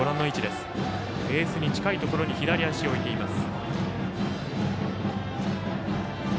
ベースに近いところに左足を置いています。